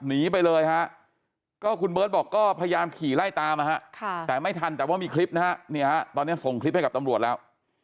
นี่ครับตอนนี้ส่งคลิปให้กับตำรวจแล้ว